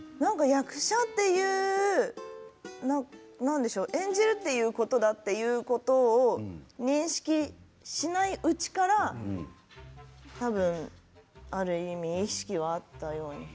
役者という演じるということだというのを認識しないうちから多分ある意味、意識はあったように思います。